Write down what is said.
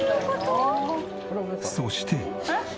そして。